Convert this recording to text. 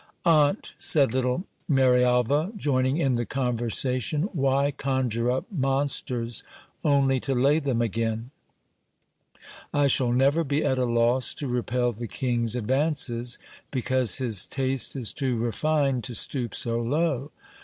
Aunt, said little Marialva, joining in the conversation, why conjure up mon sters only to lay them again ? I shall never be at a loss to repel the king's ad vances, because' his taste is too refined to stoop so low.